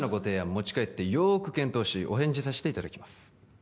持ち帰ってよく検討しお返事させていただきます